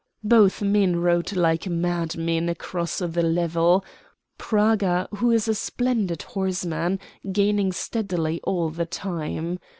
Both men rode like madmen across the level Praga, who is a splendid horseman, gaining steadily all the time.